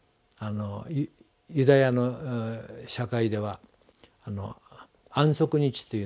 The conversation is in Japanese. ユダヤの社会では安息日というのはね